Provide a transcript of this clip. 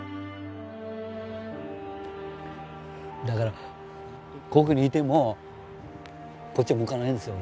だからここにいてもこっちは向かないんですよ